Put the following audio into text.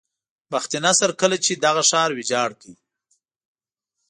بخت نصر کله چې دغه ښار ویجاړ کړ.